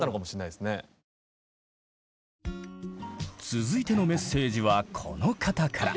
続いてのメッセージはこの方から。